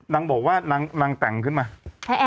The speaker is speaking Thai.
น้ำบอกว่าน้ำแต่งขึ้นมา